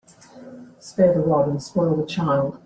Spare the rod and spoil the child.